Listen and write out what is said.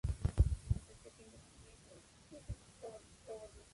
Por último se sirven según la receta que se desee con otros condimentos.